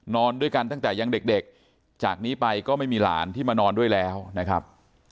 นอนด้วยกันตั้งแต่ยังเด็กจากนี้ไปก็ไม่มีหลานที่มานอนด้วยแล้วนะครับ